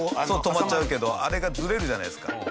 止まっちゃうけどあれがずれるじゃないですか。